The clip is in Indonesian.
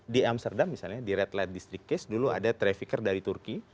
di amsterdam misalnya di red light distriquest dulu ada trafficker dari turki